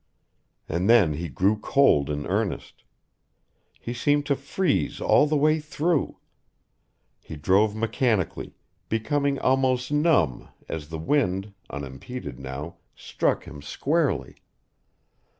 And then he grew cold in earnest. He seemed to freeze all the way through. He drove mechanically, becoming almost numb as the wind, unimpeded now, struck him squarely.